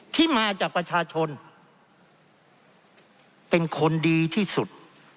ที่มาจากประชาชนเป็นคนดีที่สุด